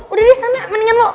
udah di sana mendingan lo